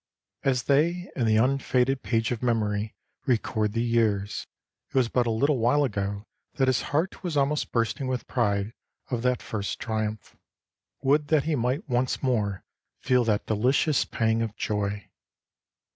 As they and the unfaded page of memory record the years, it was but a little while ago that his heart was almost bursting with pride of that first triumph. Would that he might once more feel that delicious pang of joy.